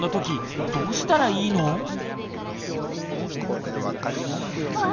これ分かりますよね。